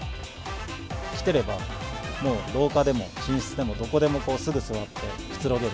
着てれば、もう廊下でも寝室でも、どこでもすぐ座ってくつろげる。